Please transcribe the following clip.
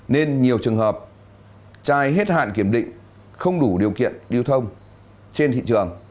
nên nhiều trường hợp chai hết hạn kiểm định không đủ điều kiện điêu thông trên thị trường